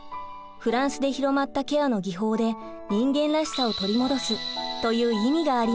フランスで広まったケアの技法で人間らしさを取り戻すという意味があります。